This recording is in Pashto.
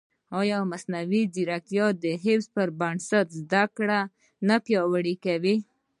ایا مصنوعي ځیرکتیا د حفظ پر بنسټ زده کړه نه پیاوړې کوي؟